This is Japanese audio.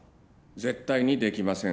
絶対にできません